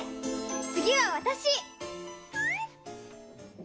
つぎはわたし！